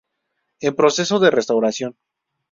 En proceso de restauración.